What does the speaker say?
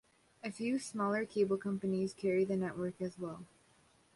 A few smaller cable companies carry the network as well.